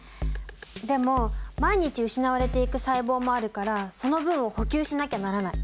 でも毎日失われていく細胞もあるからその分を補給しなきゃならない。